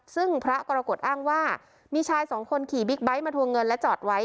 ซึ่งพระกรกฎอ้างว่ามีชายสองคนขี่บิ๊กไบท์มาทวงเงินและจอดไว้